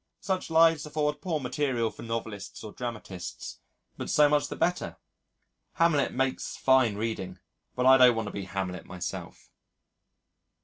Such lives afford poor material for novelists or dramatists, but so much the better. Hamlet makes fine reading, but I don't want to be Hamlet myself.